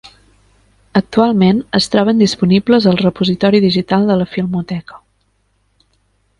Actualment es troben disponibles al Repositori Digital de la Filmoteca.